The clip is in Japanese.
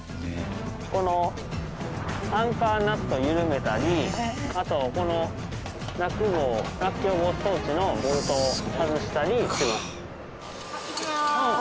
このアンカーナットを緩めたりあとこの落防落橋防止装置のボルトを外したりします。